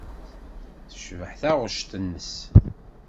Tecbeḥ taɣect-nnes.